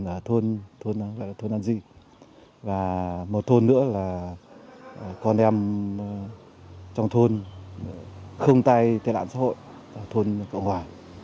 một thôn tự quản là thôn an di và một thôn nữa là con em trong thôn không tai đại đoạn xã hội thôn cộng hòa